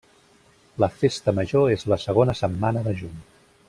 La festa major és la segona setmana de juny.